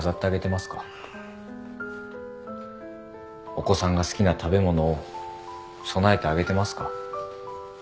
お子さんが好きな食べ物を供えてあげてますか？